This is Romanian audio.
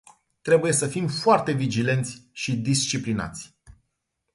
Trebuie să fim foarte vigilenți și disciplinați.